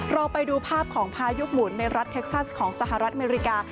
เราไปดูภาพของพายุหมุนในรัฐเท็กซัสของสหรัฐอเมริกา